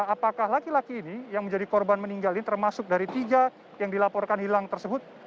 apakah laki laki ini yang menjadi korban meninggal ini termasuk dari tiga yang dilaporkan hilang tersebut